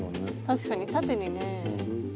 確かに縦にね。